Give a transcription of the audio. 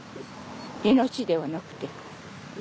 命ではなくて。